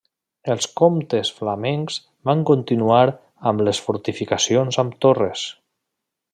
Els comtes flamencs van continuar amb les fortificacions amb torres.